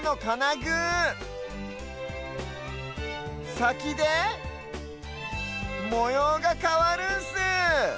さきでもようがかわるんす。